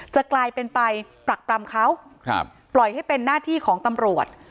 จะกลายเป็นไปปรักปรำเขาปล่อยให้เป็นหน้าที่ของตำรวจ